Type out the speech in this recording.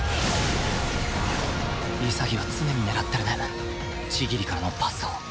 潔は常に狙ってるね千切からのパスを